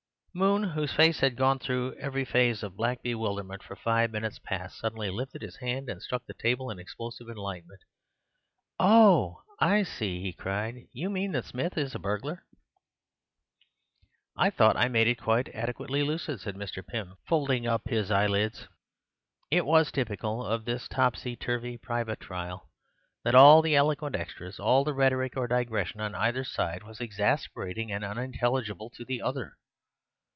Moon, whose face had gone through every phase of black bewilderment for five minutes past, suddenly lifted his hand and struck the table in explosive enlightenment. "Oh, I see!" he cried; "you mean that Smith is a burglar." "I thought I made it quite ad'quately lucid," said Mr. Pym, folding up his eyelids. It was typical of this topsy turvy private trial that all the eloquent extras, all the rhetoric or digression on either side, was exasperating and unintelligible to the other.